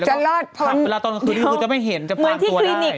เวลาตอนกลางคืนนี้มูดจะไม่เห็นจะพากตัวได้